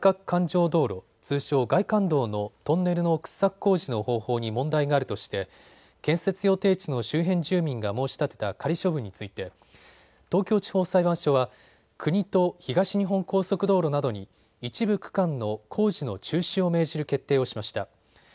環状道路通称、外環道のトンネルの掘削工事の方法に問題があるとして建設予定地の周辺住民が申し立てた仮処分について東京地方裁判所は国と東日本高速道路などに一部区間の工事の中止を命じる決定をしました。